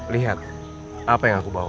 lihat apa yang aku bawa